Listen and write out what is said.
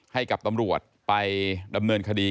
ให้กับตำรวจไปดำเนินคดี